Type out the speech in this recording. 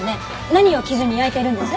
何を基準に焼いているんです？